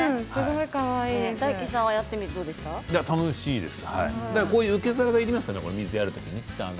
楽しいです。